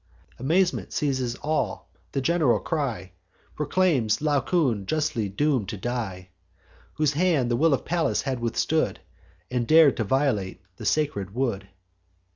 Amazement seizes all; the gen'ral cry Proclaims Laocoon justly doom'd to die, Whose hand the will of Pallas had withstood, And dared to violate the sacred wood.